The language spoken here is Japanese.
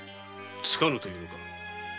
つかぬと言うのか！？